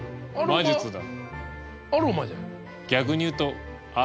魔術だ。